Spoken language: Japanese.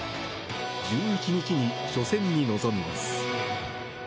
１１日に初戦に臨みます。